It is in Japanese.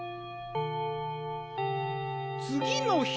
つぎの日。